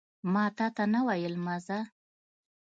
ماتاته نه ویل مه ځه